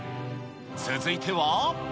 続いては。